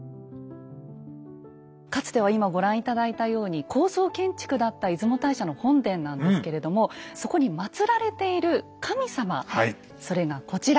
かつては今ご覧頂いたように高層建築だった出雲大社の本殿なんですけれどもそこに祭られている神様それがこちら。